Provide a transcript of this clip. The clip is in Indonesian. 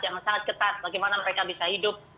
yang sangat ketat bagaimana mereka bisa hidup